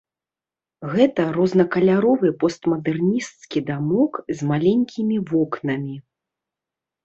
Гэта рознакаляровы постмадэрнісцкі дамок з маленькімі вокнамі.